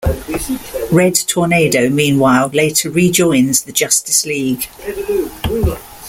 Red Tornado meanwhile later rejoins the Justice League.